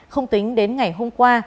không tính đến ngày hôm qua